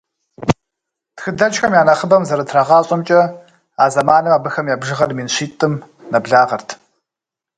Тхыдэджхэм я нэхъыбэм зэрытрагъащӏэмкӏэ, а зэманым абыхэм я бжыгъэр мин щитӏым нэблагъэрт.